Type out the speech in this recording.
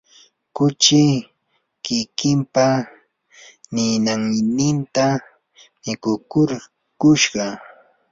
kuchi kikimpa niyanninta mikukurkushqa.